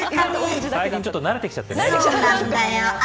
ちょっと慣れてきちゃったね。